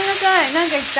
何か言った？